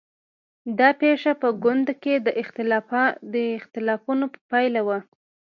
دا پېښه په ګوند کې د اختلافونو پایله وه.